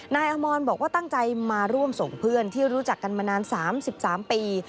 นายอมรบอกว่าตั้งใจมาร่วมส่งเพื่อนที่รู้จักกันมานาน๓๓ปี